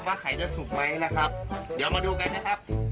ไข่จะสุกไหมนะครับเดี๋ยวมาดูกันนะครับ